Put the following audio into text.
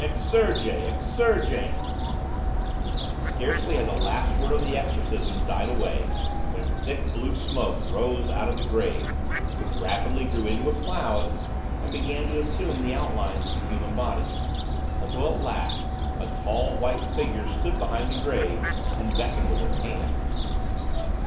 Exsurge! Exsurge!"_ Arise! Scarcely had the last word of the exorcism died away when thick, blue smoke rose out of the grave, which rapidly grew into a cloud, and began to assume the outlines of a human body, until at last a tall, white figure stood behind the grave, and beckoned with its hand.